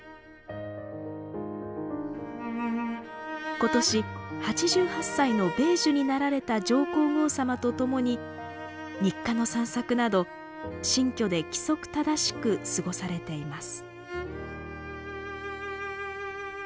ことし８８歳の米寿になられた上皇后さまと共に日課の散策など新居で規則正しく過ごされています。